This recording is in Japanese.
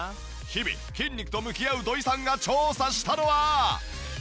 日々筋肉と向き合う土居さんが調査したのは。